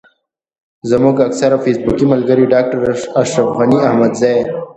زموږ اکثره فېسبوکي ملګري ډاکټر اشرف غني احمدزی.